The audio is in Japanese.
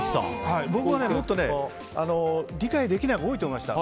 僕は、もっと理解できないが多いと思いました。